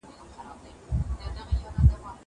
زه مخکي پوښتنه کړې وه!!